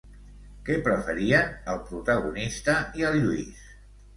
Què preferien, el protagonista i el Lluis?